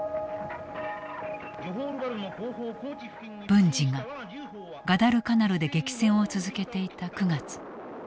文次がガダルカナルで激戦を続けていた９月。